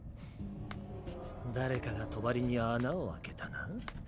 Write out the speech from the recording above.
誰かが帳に穴を開けたな？